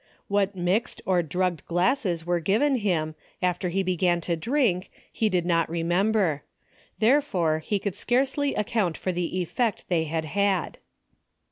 What mixed or drugged glasses were given him, after he began to drink, he did not remember. Therefore, he could scarcely account for the effect they had had.